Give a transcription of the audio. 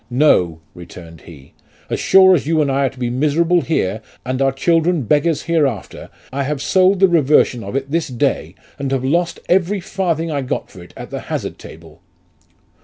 ' No,' returned he, ' as sure as you and I are to be miserable here, and our children beggars hereafter, I have sold the reversion of it this day, and have lost every farthing I got for it at the hazard table.'